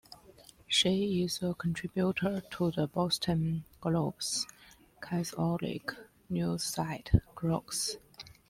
She is a contributor to the Boston Globe's Catholic news site, Crux.